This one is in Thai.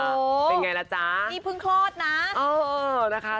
โหวนี่เพิ่งคลอดนา